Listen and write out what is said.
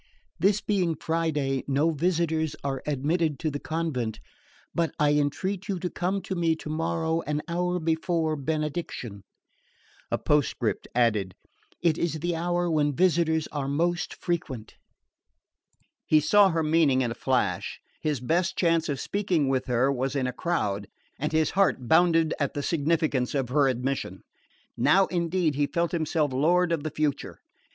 "This being Friday, no visitors are admitted to the convent; but I entreat you to come to me tomorrow an hour before benediction." A postcript added: "It is the hour when visitors are most frequent." He saw her meaning in a flash: his best chance of speaking with her was in a crowd, and his heart bounded at the significance of her admission. Now indeed he felt himself lord of the future.